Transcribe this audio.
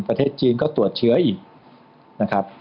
ประเทศจีนก็ตรวจเชื้ออีกนะครับ